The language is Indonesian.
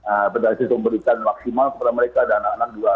saya berusaha untuk memberikan maksimal kepada mereka dan anak anak juga